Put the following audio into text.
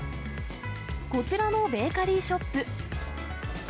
こちらのベーカリーショップ。